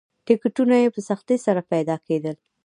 ټکټونه یې په سختۍ سره پیدا کېدل.